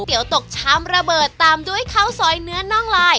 เตี๋ตกชามระเบิดตามด้วยข้าวซอยเนื้อน่องลาย